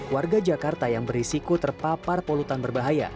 warga jakarta yang berisiko terpapar polutan berbahaya